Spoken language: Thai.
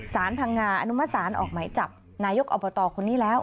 พังงานอนุมสารออกหมายจับนายกอบตคนนี้แล้ว